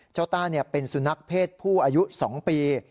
ต้าเป็นสุนัขเพศผู้อายุ๒ปี